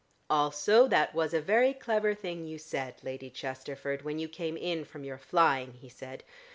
"Also that was a very clever thing you said, Lady Chesterford, when you came in from your flying," he said.